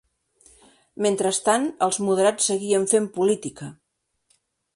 Mentrestant els moderats seguien fent política.